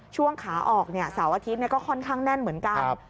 ช่วงขาออกเสาร์อาทิตย์ก็ค่อนข้างแน่นเหมือนกัน